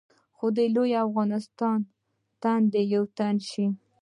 خو د لوی افغانستان تن دې یو تن شي.